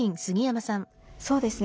そうですね